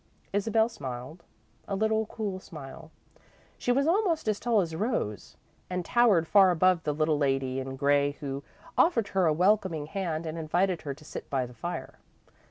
Isabel smiled a little, cool smile. She was almost as tall as Rose and towered far above the little lady in grey who offered her a welcoming hand and invited her to sit by the fire.